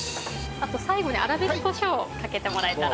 あと最後に粗挽きコショウをかけてもらえたら。